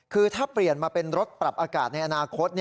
คือถ้าเปลี่ยนมาเป็นรถปรับอากาศในอนาคต